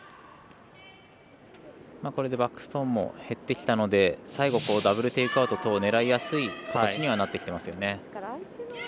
これでバックストーンも減ってきたので最後、ダブル・テイクアウト狙いやすい形にはなってきていますよね。